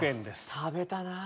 食べたなぁ。